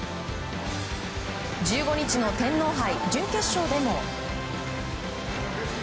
１５日の天皇杯準決勝でも。